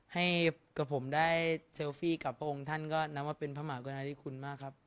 ให้กับผมได้เซลฟี่กับพระองค์ท่านก็นับว่าเป็นพระมหากรุณาธิคุณมากครับ